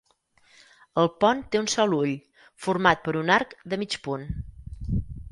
El pont té un sol ull, format per un arc de mig punt.